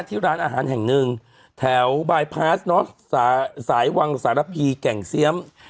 ที่ร้านอาหารแห่งหนึ่งแถวบายพาสสายวังสารพีแก่งเซียม